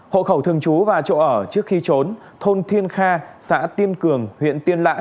hộ khẩu thường trú và chỗ ở trước khi trốn thôn thiên kha xã tiên cường huyện tiên lãng